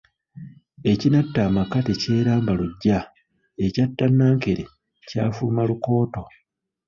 Ekinatta amaka tekyeramba luggya, ekyatta Nnankere kyafuluma lukooto.